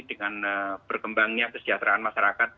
dengan berkembangnya kesejahteraan masyarakat